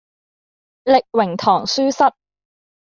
力榮堂書室